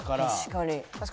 確かに。